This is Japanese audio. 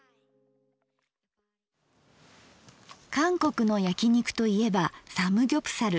韓国のやき肉といえばサムギョプサル。